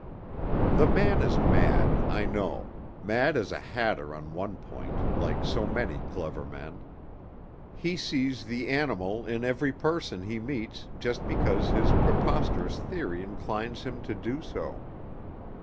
The man is mad, I know mad as a hatter on one point, like so many clever men. He sees the animal in every person he meets just because his preposterous theory inclines him to do so.